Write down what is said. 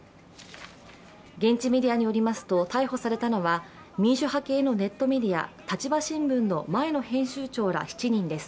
現地メディアによりますと、逮捕されたのは民主派系ネットメディア「立場新聞」の前の編集長ら７人です。